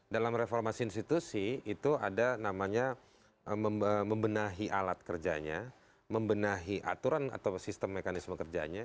dalam reformasi institusi itu ada namanya membenahi alat kerjanya membenahi aturan atau sistem mekanisme kerjanya